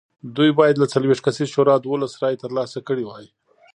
دوی باید له څلوېښت کسیزې شورا دولس رایې ترلاسه کړې وای